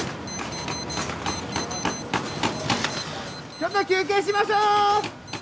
ちょっと休憩しましょう。